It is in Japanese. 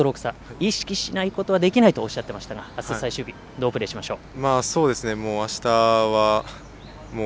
意識しないことはできないとおっしゃってましたが最終日、どうプレーしましょう？